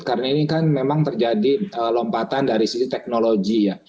karena ini kan memang terjadi lompatan dari sisi teknologi